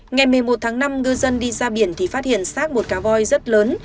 ngày một mươi một tháng năm ngư dân đi ra biển thì phát hiện sát một cá voi rất lớn